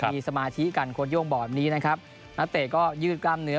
มีสมาธิกันโค้ดโย่งบอกแบบนี้นะครับนักเตะก็ยืดกล้ามเนื้อ